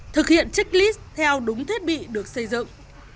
thực hiện checklist theo đúng thiết bị được xây dựng